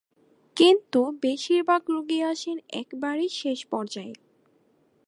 কিন্তু বেশির ভাগ রোগী আসেন একেবারে শেষ পর্যায়ে।